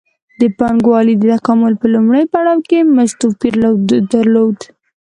د پانګوالۍ د تکامل په لومړي پړاو کې مزد توپیر درلود